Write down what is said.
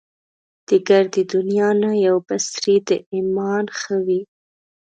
دې ګردې دنيا نه يو بڅری د ايمان ښه دی